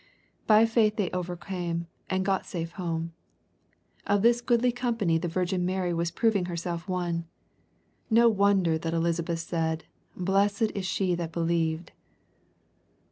By faith they overcame, and got safe home. Of this goodly company the Virgin Mary was proving herself one. No wonder that Elisabeth said, ^' Blessed is she that believed.''